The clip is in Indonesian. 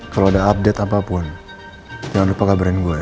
kalo ada update apapun jangan lupa kabarin gue ya